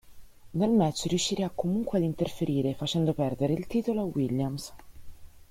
Nel match riuscirà comunque ad interferire, facendo perdere il titolo a Williams.